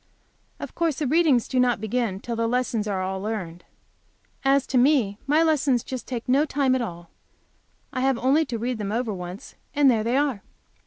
Of course the readings do not begin till the lessons are all learned. As to me, my lessons just take no time at all. I have only to read them over once, and there they are.